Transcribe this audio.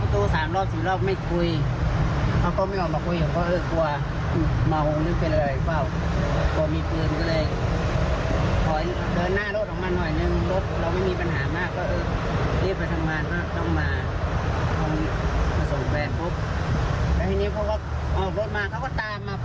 ตามมาเปิดไฟเลี้ยวตามมาตามมาปุ๊บตามมา